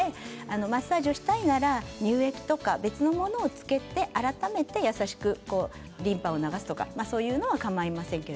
マッサージをしたいなら乳液など別のものをつけて改めてリンパを優しく流すとかそれは構いません。